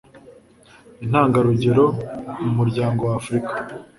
intangarugero mu muryango wa africa